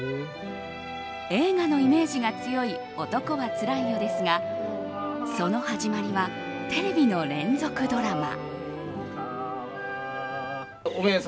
映画のイメージが強い「男はつらいよ」ですがその始まりはテレビの連続ドラマ。